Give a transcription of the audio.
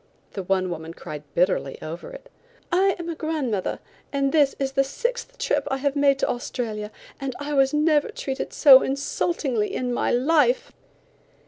The one woman cried bitterly over it. "I am a grandmother, and this is the sixth trip I have made to Australia, and I was never treated so insultingly in my life."